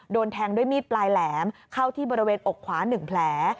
โดนแทงด้วยมีดปลายแหลมเข้าที่บริเวณอกขวา๑แผล